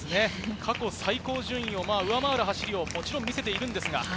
過去最高順位を上回る走りを見せているんですが。